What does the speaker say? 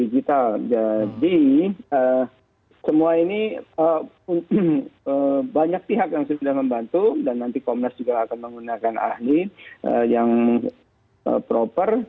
jadi semua ini banyak pihak yang sudah membantu dan nanti komnas juga akan menggunakan ahli yang proper